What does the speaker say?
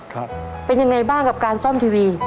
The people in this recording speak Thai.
ครับเป็นยังไงบ้างกับการซ่อมทีวี